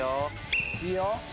いいよ。